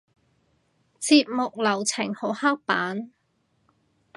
節目流程好刻板？